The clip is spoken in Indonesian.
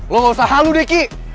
lo gak usah halo deh ki